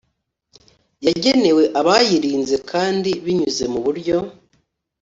yagenewe abayirinze kandi binyuze mu buryo